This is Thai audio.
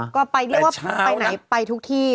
ก็ไปหลายอย่างไปทุกที่